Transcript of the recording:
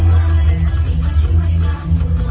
มันเป็นเมื่อไหร่แล้ว